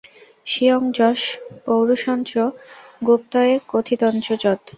স্বীয়ং যশ পৌরুষঞ্চ গুপ্তয়ে কথিতঞ্চ যৎ।